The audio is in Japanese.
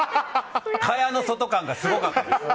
蚊帳の外感がすごかった。